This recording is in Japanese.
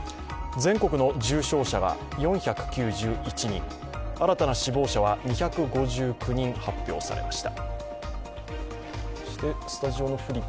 全国の重症者は４９１人、新たな死亡者は２５９人発表されました。